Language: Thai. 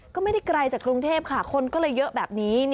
ก็ไม่ได้ไกลจากกรุงเทพค่ะคนก็เลยเยอะแบบนี้